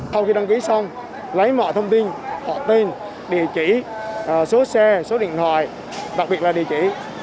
sau khi đăng ký xong lấy mọi thông tin họ tên địa chỉ số xe số điện thoại đặc biệt là địa chỉ